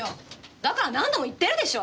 だから何度も言ってるでしょ！